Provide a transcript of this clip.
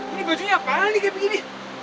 ini bajunya apaan nih kayak begini